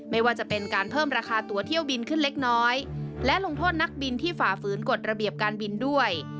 ไม่ว่าจะเป็นการเพิ่มราคาตัวเที่ยวบินขึ้นเล็กน้อยและลงโทษนักบินที่ฝ่าฝืนกฎระเบียบการบินด้วย